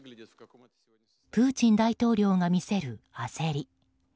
プーチン大統領が見せる焦り。